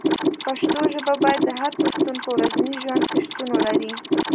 پښتو ژبه باید د هر پښتون په ورځني ژوند کې شتون ولري.